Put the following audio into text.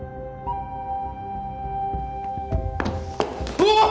うわあっ！